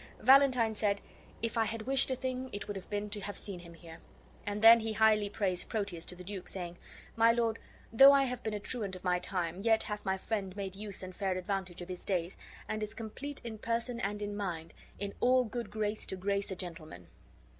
Valentine said, "If I had wished a thing, it would have been to have seen him here!" And then he highly praised Proteus to the duke, saying, "My lord, though I have been a truant of my time, yet hath my friend made use and fair advantage of his days, and is complete in person and in mind, in all good grace to grace a gentleman."